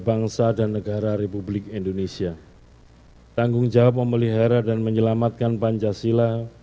bangsa dan negara republik indonesia tanggung jawab memelihara dan menyelamatkan pancasila